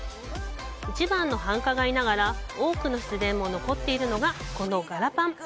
一番の繁華街ながら多くの自然も残っているのがこのガラパン。